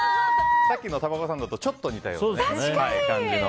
さっきのタマゴサンドとちょっと似たような感じの。